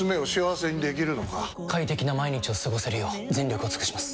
快適な毎日を過ごせるよう全力を尽くします！